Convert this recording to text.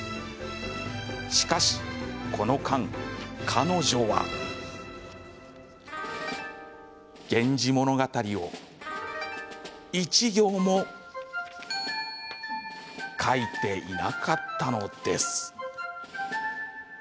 しかし、この間、彼女は「源氏物語」を一行も書いていなかったのです。